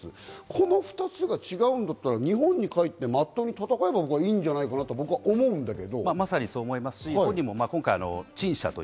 この２つが違うんだったら日本に帰って、真っ当に戦えばいいんじゃないかなと思うんですけど。